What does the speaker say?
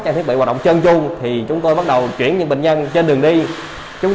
trang thiết bị hoạt động chân chung thì chúng tôi bắt đầu chuyển những bệnh nhân trên đường đi